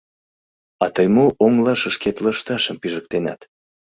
— А тый мо оҥылашышкет лышташым пижыктенат?